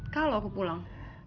kalau aku pulang